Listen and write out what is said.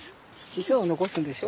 子孫を残すんでしょ？